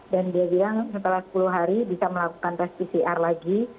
dan dia bilang setelah sepuluh hari bisa melakukan tes pcr lagi